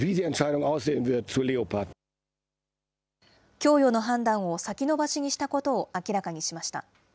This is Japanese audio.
供与の判断を先延ばしにしたことを明らかにしました。